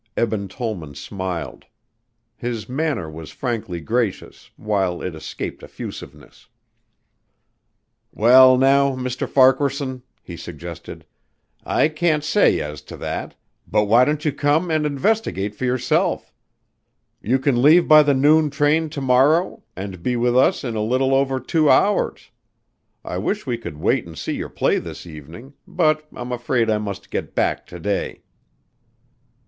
Eben Tollman smiled. His manner was frankly gracious, while it escaped effusiveness. "Well, now, Mr. Farquaharson," he suggested, "I can't say as to that, but why don't you come and investigate for yourself? You can leave by the noon train to morrow and be with us in a little over two hours I wish we could wait and see your play this evening, but I'm afraid I must get back to day."